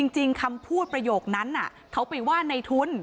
คำพูดประโยคนั้นเขาไปว่าในทุน